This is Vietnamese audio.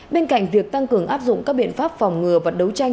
bên cạnh việc tăng cường áp dụng các biện pháp phòng ngừa và đấu tranh